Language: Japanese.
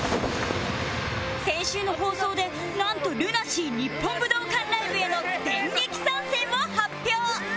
先週の放送でなんと ＬＵＮＡＳＥＡ 日本武道館ライブへの電撃参戦を発表！